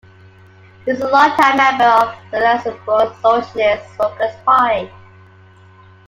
He is a long-time member of the Luxembourg Socialist Workers' Party.